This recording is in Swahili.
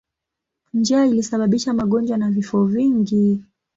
Njaa ilisababisha magonjwa na vifo vingi.